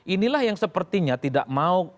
inilah yang sepertinya tidak mau